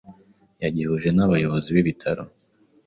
yagihuje n’abayobozi b’ibitaro